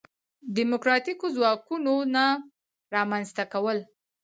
دیموکراتیکو ځواکونو نه رامنځته کول.